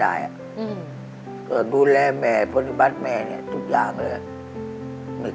ใครเขาว่าลูกมึงเรียกยังไงได้ที่นัดนี้